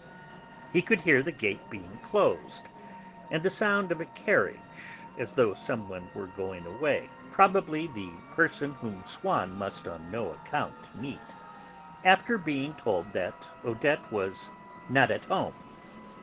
He could hear the gate being closed, and the sound of a carriage, as though some one were going away probably the person whom Swann must on no account meet after being told that Odette was not at home.